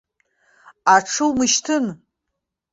Аҽы умышьҭын!